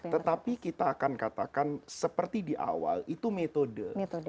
tetapi kita akan katakan seperti di awal itu metode